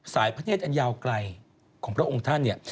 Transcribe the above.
พระเนธอันยาวไกลของพระองค์ท่านเนี่ย